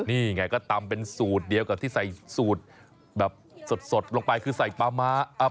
นี่ไงก็ตำเป็นสูตรเดียวกับที่ใส่สูตรแบบสดลงไปคือใส่ปลาม้า